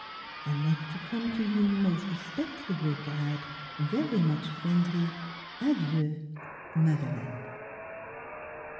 I make to come to you mos respectful regard very much friendly. Adieu, 11 MADELEINE."